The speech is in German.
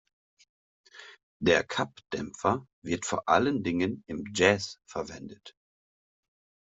Der Cup-Dämpfer wird vor allen Dingen im Jazz verwendet.